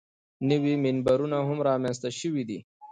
نوي منبرونه هم رامنځته شوي دي.